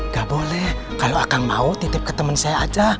gak boleh kalau akan mau titip ke temen saya aja